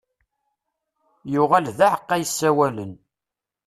Yuɣal d aεeqqa yessawalen.